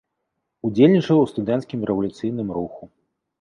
Удзельнічаў у студэнцкім рэвалюцыйным руху.